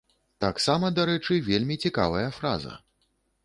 Таксама, дарэчы, вельмі цікавая фраза.